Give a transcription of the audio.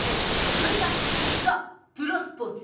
それがザプロスポーツよ。